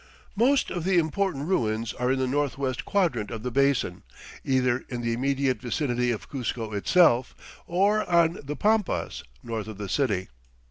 Most of the important ruins are in the northwest quadrant of the basin either in the immediate vicinity of Cuzco itself or on the "pampas" north of the city.